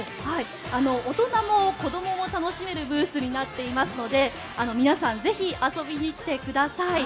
大人も子どもも楽しめるブースになっていますので皆さんぜひ遊びに来てください。